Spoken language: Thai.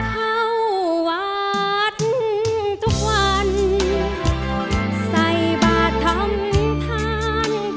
เข้าวัดทุกวันใส่บาททำทาน